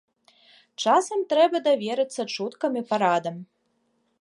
Часам трэба даверыцца чуткам і парадам.